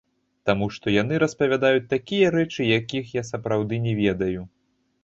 Таму што яны распавядаюць такія рэчы, якіх я сапраўды не ведаю.